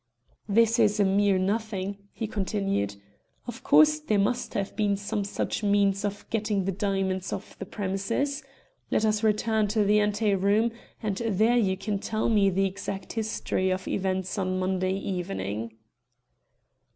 "This is a mere nothing," he continued. "Of course, there must have been some such means of getting the diamonds off the premises. Let us return to the ante room and there you can tell me the exact history of events on Monday evening."